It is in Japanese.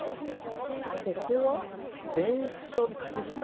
ここは電車ですか？